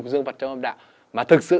dương vật trong âm đạo mà thực sự y văn